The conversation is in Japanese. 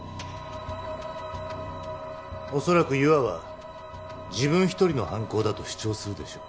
恐らく優愛は自分一人の犯行だと主張するでしょう。